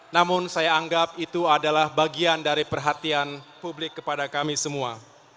namun saya anggap itu adalah bagian dari perhatian publik kepada kami semua